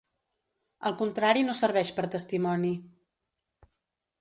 El contrari no serveix per testimoni.